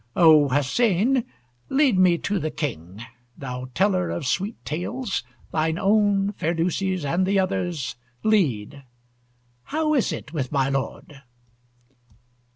O Hussein, lead me to the King! Thou teller of sweet tales, thine own, Ferdousi's, and the others', lead! How is it with my lord?